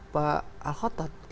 pak al khotad